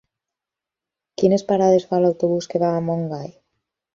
Quines parades fa l'autobús que va a Montgai?